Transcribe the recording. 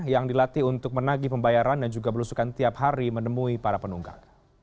yang dilatih untuk menagih pembayaran dan juga belusukan tiap hari menemui para penunggak